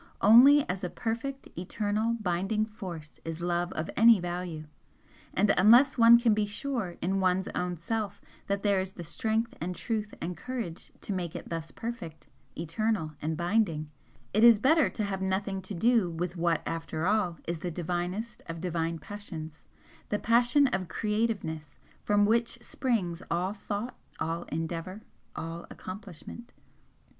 Only as a perfect, eternal, binding force is love of any value, and unless one can be sure in one's own self that there is the strength and truth and courage to make it thus perfect, eternal and binding, it is better to have nothing to do with what after all is the divinest of divine passions, the passion of creativeness, from which springs all thought, all endeavour, all accomplishment.